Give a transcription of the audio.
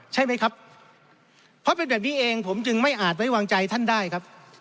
ใช่ไหมครับเพราะเป็นแบบนี้เองผมจึงไม่อาจไว้วางใจท่านได้ครับ